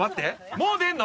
もう出るの？